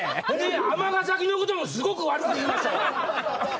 尼崎のこともすごく悪く言うでしょ。